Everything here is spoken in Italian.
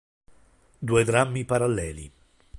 Due drammi paralleli".